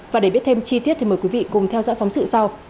và để biết thêm chi tiết thì mời quý vị cùng theo dõi phóng sự sau